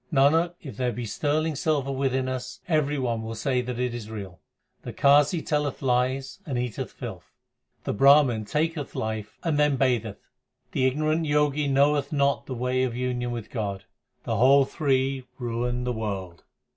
Nanak, if there be sterling silver within us, Everybody will say that it is real. The Qazi telleth lies and eateth filth. The Brahman taketh life and then batheth. The ignorant Jogi knoweth not the way of union with God, The whole three ruin the world.